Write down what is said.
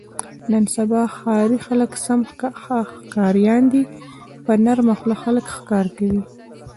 نن سبا ښاري خلک سم ښکاریان دي. په نرمه خوله خلک ښکار کوي.